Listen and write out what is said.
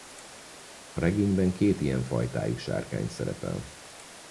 A regényben két ilyen fajtájú sárkány szerepel.